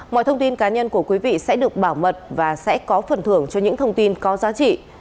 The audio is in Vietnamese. mọi thông tin cá nhân của quý vị sẽ được bảo mật và sẽ có phần thưởng cho những thông tin có giá trị